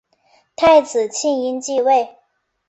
太子庆膺继位。